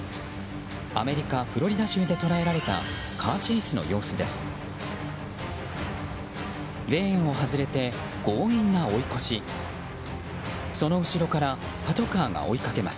アメリカ・フロリダ州で捉えられたカーチェイスの様子です。